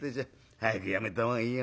早くやめた方がいいよ